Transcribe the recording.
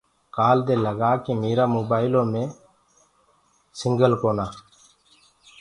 ڪآل دي لگآڪي ميرآ موبآئلو مي نيٽورڪ ڪونآ